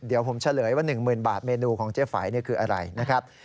เดี๋ยวผมเฉลยว่า๑๐๐๐บาทเมนูของเจ๊ไฝคืออะไรนะครับ